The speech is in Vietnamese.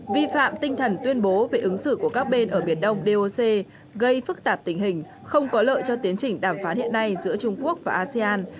vi phạm tinh thần tuyên bố về ứng xử của các bên ở biển đông doc gây phức tạp tình hình không có lợi cho tiến trình đàm phán hiện nay giữa trung quốc và asean